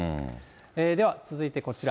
では続いてこちら。